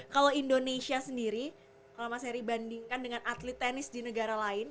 kalau indonesia sendiri kalau mas heri bandingkan dengan atlet tenis di negara lain